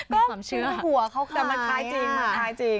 มีความเชื่อแต่มันคล้ายจริงค่ะมันคล้ายจริง